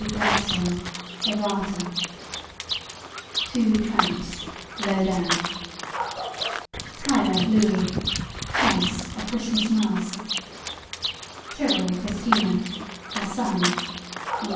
GLADSTONE: Errata TWO TRAMPS: Low Down TYLOR, LOUIS: Chess: A Christmas Masque TYRRELL, CHRISTINA: Her Son (E.